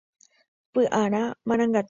Vy'arã marangatúva.